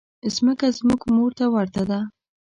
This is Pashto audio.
مځکه زموږ مور ته ورته ده.